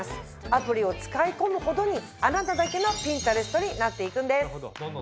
アプリを使い込むほどにあなただけのピンタレストになって行くんです。